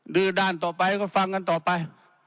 ื้อด้านต่อไปก็ฟังกันต่อไป